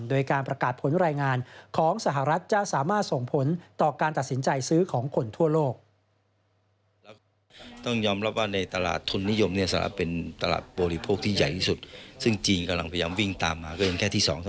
โดยการประกาศผลรายงานของสหรัฐจะสามารถส่งผลต่อการตัดสินใจซื้อของคนทั่วโลก